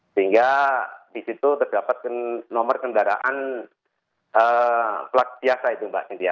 sehingga disitu terdapat nomor kendaraan plat biasa itu mbak cynthia